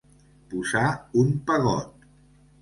Posar un pegot.